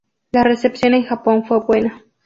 La recepción en Japón fue buena.